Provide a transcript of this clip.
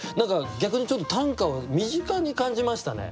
逆にちょっと短歌を身近に感じましたね。